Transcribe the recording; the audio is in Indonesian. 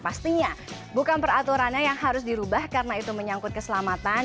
pastinya bukan peraturannya yang harus dirubah karena itu menyangkut keselamatan